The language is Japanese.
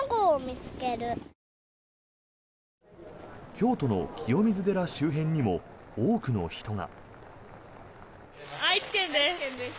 京都の清水寺周辺にも多くの人が。